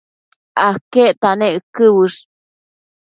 aquecta nec uëquë uësh?